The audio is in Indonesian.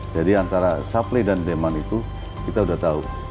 jadi antara supply dan demand itu kita sudah tahu